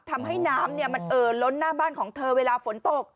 ทำให้น้ำมันเอ่อล้นหน้าบ้านของเธอเวลาฝนตก